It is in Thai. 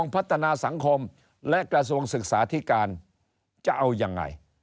พัฒนาสังคมและกระทรวงศึกษาธิการจะเอายังไง